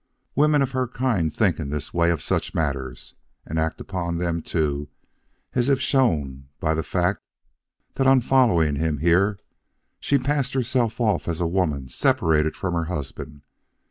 Women of her kind think in this way of such matters, and act upon them too as is shown by the fact that, on following him here, she passed herself off as a woman separated from her husband.